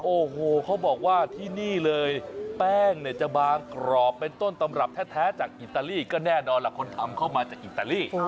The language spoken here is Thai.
โอ้โหเขาบอกว่าที่นี่เลยแป้งจะบางกรอบเป็นต้นตำรับแท้จากอิตาลีก็แน่นอนล่ะ